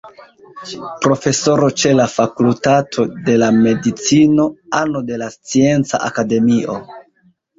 Profesoro ĉe la Fakultato de la Medicino, ano de la Scienca Akademio.